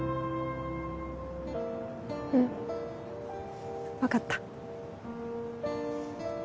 うん分かった